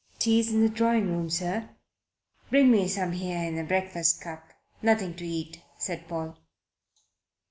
"Tea's in the drawing room, sir." "Bring me some here in a breakfast cup nothing to eat," said Paul.